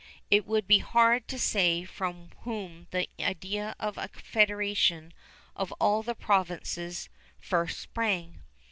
It would be hard to say from whom the idea of confederation of all the provinces first sprang.